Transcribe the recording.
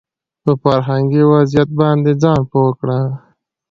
په فرهنګي وضعيت باندې ځان پوه کړي